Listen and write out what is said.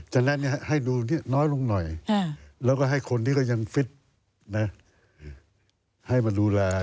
ฉะนั้นให้ดูน้อยลงหน่อยแล้วก็ให้คนที่ก็ยังฟิตให้มาดูแล